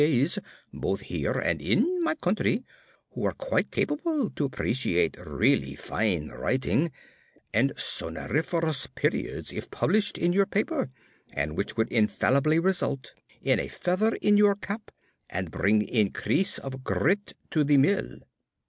's, both here and in my country, who are quite capable to appreciate really fine writing and sonoriferous periods if published in your paper, and which would infallibly result in a feather in your cap and bring increase of grit to the mill.